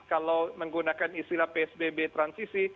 kalau menggunakan istilah psbb transisi